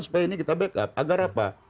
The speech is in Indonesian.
supaya ini kita backup agar apa